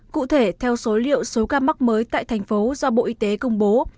cụ thể theo số liệu số ca mắc mới tại thành phố do bộ y tế công bố